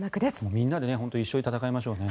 みんなで一緒に戦いましょうね。